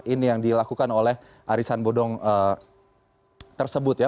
ini yang dilakukan oleh arisan bodong tersebut ya